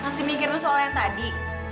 kasih mikirin soal yang tadi